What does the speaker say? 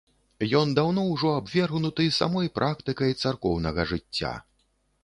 Ён даўно ўжо абвергнуты самой практыкай царкоўнага жыцця.